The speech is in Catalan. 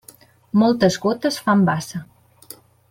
Moltes gotes fan bassa.